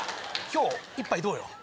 今日一杯どうよ？